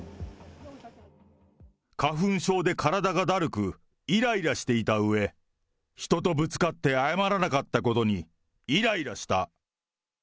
花粉症で体がだるく、いらいらしていたうえ、人とぶつかって謝らなかったことに、いらいらした。